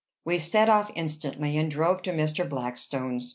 We set off instantly, and drove to Mr. Blackstone's.